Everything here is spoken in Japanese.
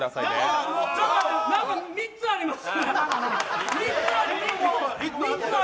何か３つあります。